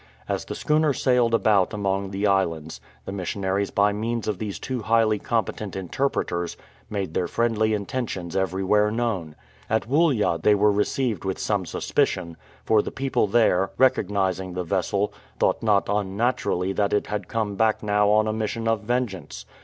As the schooner sailed about among the islands, the missionaries by means of these two highly competent interpreters made their friendly intentions everywhere known. At Woollya they were received with some suspicion, for the people there, recognizing the vessel, thought not unnaturally that it had come back now on a mission of vengeance.